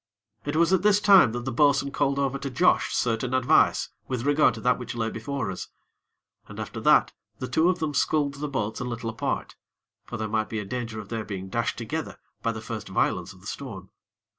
It was at this time that the bo'sun called over to Josh certain advice with regard to that which lay before us. And after that the two of them sculled the boats a little apart; for there might be a danger of their being dashed together by the first violence of the storm.